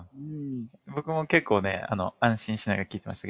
僕も結構ね安心しながら聞いてました逆に。